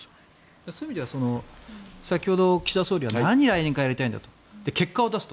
そういう意味では先ほど岸田総理は何をやりたいのか結果を出すと。